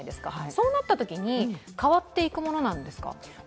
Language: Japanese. そうなったときに変わっていくものなんですか。